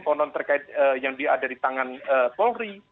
konon terkait yang dia ada di tangan polri